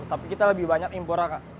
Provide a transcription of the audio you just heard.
tapi kita lebih banyak impornya